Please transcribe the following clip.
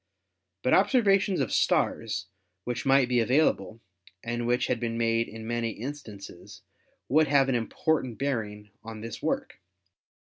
But observations of stars which might be available, and which had been made in many instances, would have an important bearing on this work.